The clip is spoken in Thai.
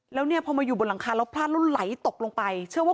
แล้วเนี่ยพอมาอยู่บนหลังคาแล้วพลาดแล้วไหลตกลงไปเชื่อว่า